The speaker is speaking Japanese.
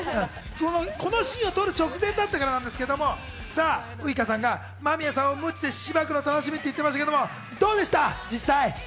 このシーンを撮る直前だったからなんですけれども、ウイカさんが間宮さんをムチでしばくの楽しみって言ってましたけど、実際どうでしたか？